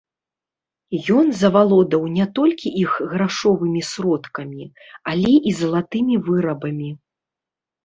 Ён завалодаў не толькі іх грашовымі сродкамі, але і залатымі вырабамі.